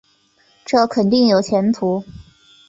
这肯定有前途